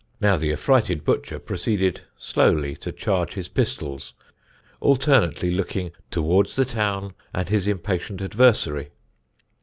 Now the affrighted butcher proceeded slowly to charge his pistols, alternately looking towards the town and his impatient adversary.